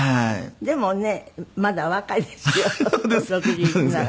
でもねまだお若いですよ６１なら。